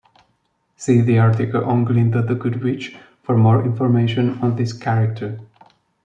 See the article on Glinda the Good Witch for more information on this character.